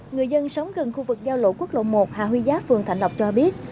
người dân sống gần khu vực giao lộ quốc lộ một hà huy giáp phường thạnh lộc cho biết